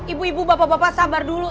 ibu ibu bapak bapak sabar dulu